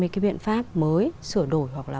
cái biện pháp mới sửa đổi hoặc là